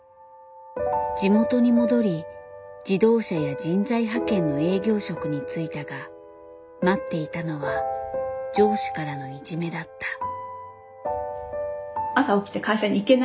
地元に戻り自動車や人材派遣の営業職に就いたが待っていたのは上司からのいじめだった。